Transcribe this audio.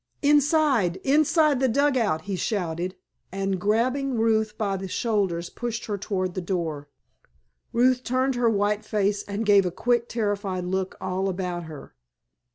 "Inside—inside the dugout!" he shouted, and grasping Ruth by the shoulders pushed her toward the door. Ruth turned her white face and gave a quick, terrified look all about her.